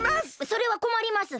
それはこまります！